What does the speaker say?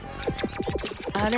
あれ？